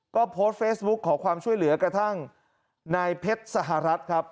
ก็โพสต์เฟซบุ๊คขอความช่วยเหลือกระทั่งนายเพชรสหรัฐครับ